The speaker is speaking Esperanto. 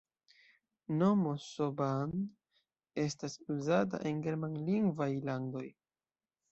Nomo S-Bahn estas uzata en germanlingvaj landoj.